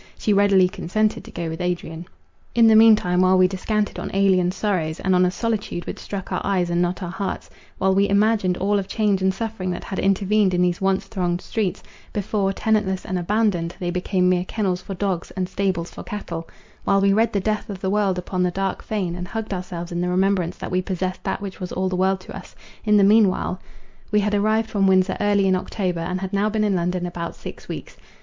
She readily consented to go with Adrian. In the mean time, while we descanted on alien sorrows, and on a solitude which struck our eyes and not our hearts, while we imagined all of change and suffering that had intervened in these once thronged streets, before, tenantless and abandoned, they became mere kennels for dogs, and stables for cattle:—while we read the death of the world upon the dark fane, and hugged ourselves in the remembrance that we possessed that which was all the world to us—in the meanwhile— We had arrived from Windsor early in October, and had now been in London about six weeks.